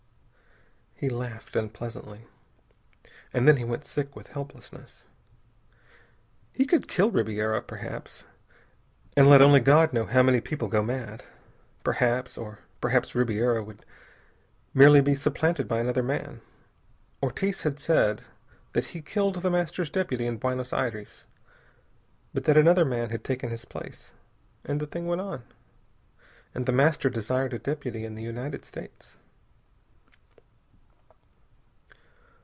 He laughed unpleasantly. And then he went sick with helplessness. He could kill Ribiera, perhaps, and let only God know how many people go mad. Perhaps. Or perhaps Ribiera would merely be supplanted by another man. Ortiz had said that he killed The Master's deputy in Buenos Aires, but that another man had taken his place. And the thing went on. And The Master desired a deputy in the United States....